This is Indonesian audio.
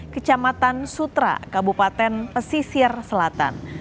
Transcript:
kecamatan sutra kabupaten pesisir selatan